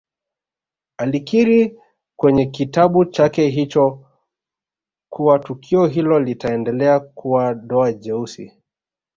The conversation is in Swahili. Alikiri kwenye kitabu chake hicho kuwa tukio hilo litaendelea kuwa doa jeusi